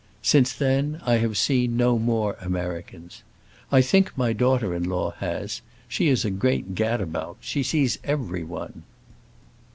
Since then I have seen no more Americans. I think my daughter in law has; she is a great gad about, she sees everyone."